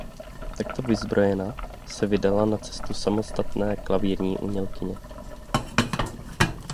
Takto vyzbrojena se vydala na cestu samostatné klavírní umělkyně.